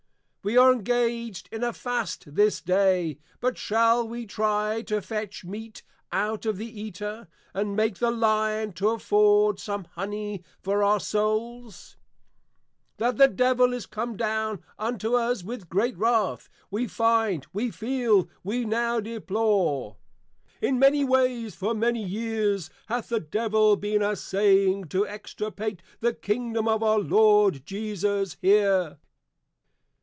We are engaged in a Fast this day; but shall we try to fetch Meat out of the Eater, and make the Lion to afford some Hony for our Souls? That the Devil is come down unto us with great Wrath, we find, we feel, we now deplore. In many ways, for many years hath the Devil been assaying to Extirpate the Kingdom of our Lord Jesus here.